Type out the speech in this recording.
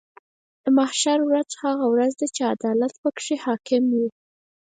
د محشر ورځ هغه ورځ ده چې عدالت به پکې حاکم وي .